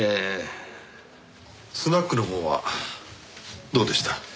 スナックのほうはどうでした？